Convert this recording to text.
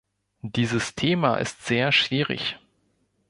Dieses Thema ist sehr schwierig.